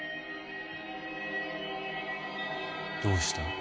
どうした？